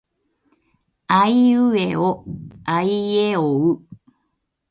あいうえおあいえおう。